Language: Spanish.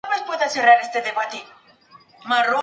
Fue miembro de la casa de Lusignan.